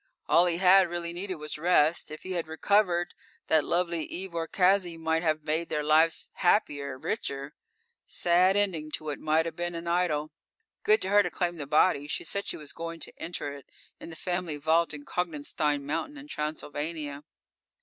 All he had really needed was rest. If he had recovered, that lovely Eve Orcaczy might have made both their lives happier, richer. Sad ending to what might have been an idyll. Good of her to claim the body. She said she was going to inter it in the family vault in_ Konigstein Mountain _in Transylvania.